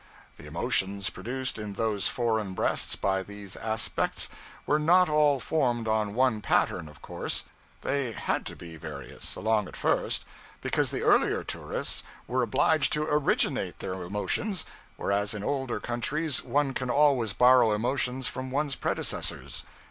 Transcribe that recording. The emotions produced in those foreign breasts by these aspects were not all formed on one pattern, of course; they _had _to be various, along at first, because the earlier tourists were obliged to originate their emotions, whereas in older countries one can always borrow emotions from one's predecessors.